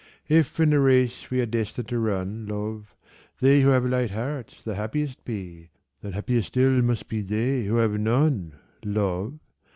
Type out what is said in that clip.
If in the race we are destined to run, love, They who have light hearts the happiest be, Then happier still must be they who have none, love.